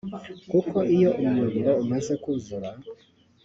kuko iyo umuyoboro umaze kuzura